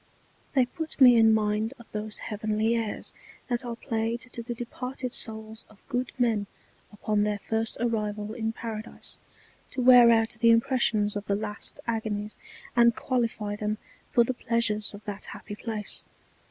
They put me in mind of those heavenly Airs that are played to the departed Souls of good Men upon their first Arrival in Paradise, to wear out the Impressions of the last Agonies, and qualify them for the Pleasures of that happy Place.